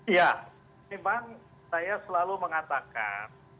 ya memang saya selalu mengatakan